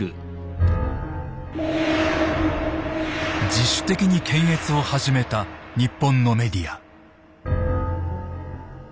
自主的に検閲を始めた日本のメディア。